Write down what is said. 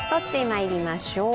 まいりましょう。